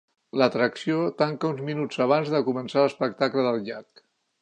L'atracció tanca uns minuts abans de començar l'espectacle del llac.